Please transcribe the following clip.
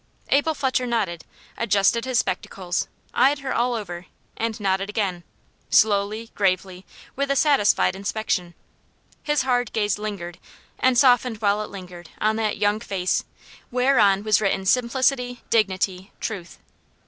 Abel Fletcher nodded adjusted his spectacles eyed her all over and nodded again; slowly, gravely, with a satisfied inspection. His hard gaze lingered, and softened while it lingered, on that young face, whereon was written simplicity, dignity, truth.